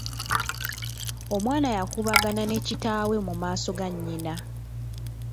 Omwana yakubagana ne kitaawe mu maaso ga nnyina.